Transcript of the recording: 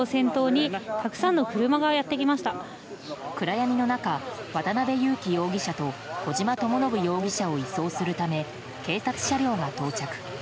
暗闇の中、渡辺優樹容疑者と小島智信容疑者を移送するため警察車両が到着。